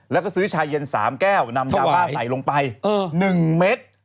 แล้วก็ซื้อชาเย็น๓แก้วนำยาบ้าใส่ลงไป๑เม็ด